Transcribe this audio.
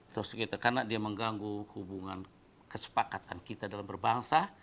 terus gitu karena dia mengganggu hubungan kesepakatan kita dalam berbangsa